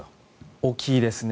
大きいですね。